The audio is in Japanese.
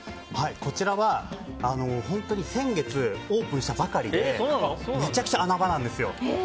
こちらは本当に先月オープンしたばかりでめちゃくちゃ穴場なんですよ。